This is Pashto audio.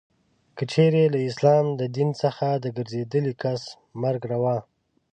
که چیري له اسلام د دین څخه د ګرځېدلې کس مرګ روا.